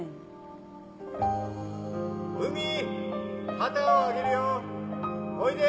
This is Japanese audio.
旗をあげるよおいで！